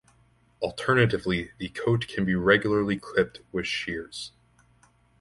Alternatively, the coat can be regularly clipped with shears.